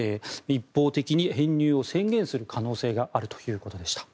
一方的に編入を宣言する可能性があるということでした。